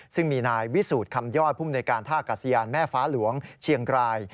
ซึ่งมีนายวิสูจน์คำย่อยผู้บริการท่ากระเซียนแม่ฟ้าหลวงเชียงกราย